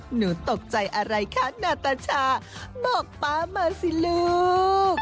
หนูตกใจอะไรคะนาตาชาบอกป๊ามาสิลูก